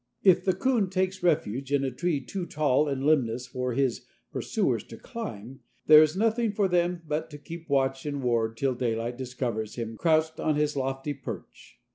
If the coon takes refuge in a tree too tall and limbless for his pursuers to climb, there is nothing for them but to keep watch and ward till daylight discovers him crouched on his lofty perch.